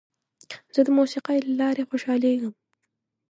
زه د موسیقۍ له لارې خوشحالېږم.